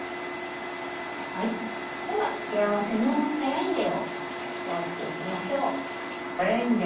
では付け合わせのさやいんげんを用意していきましょう。